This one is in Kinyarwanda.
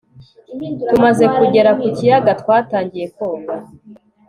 tumaze kugera ku kiyaga, twatangiye koga